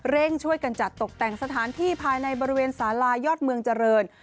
ช่วยกันจัดตกแต่งสถานที่ภายในบริเวณสาลายอดเมืองเจริญ